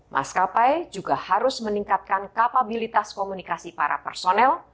mas kapai juga harus meningkatkan kapabilitas komunikasi para personel